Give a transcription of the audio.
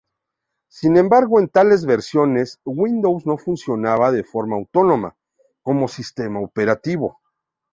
Sin embargo, en tales versiones, Windows no funcionaba de forma autónoma, como sistema operativo.